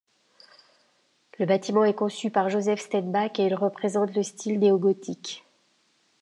Le bâtiment est conçu par Josef Stenbäck et il représente le style néogothique.